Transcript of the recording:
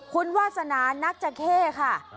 คุณวาสนานักจาเข้ค่ะ